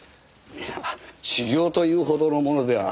いやあ修業というほどのものでは。